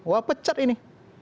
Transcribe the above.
wah pecat ini